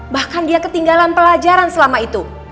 bahkan dia ketinggalan pelajaran selama itu